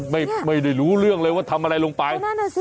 ไม่ได้รู้เรื่องเลยว่าทำอะไรลงไป